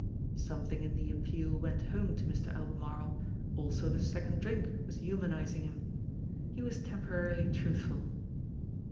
Something in the appeal went home to Mr. Albemarle, also the second drink was human ising him. He was temporarily truthful.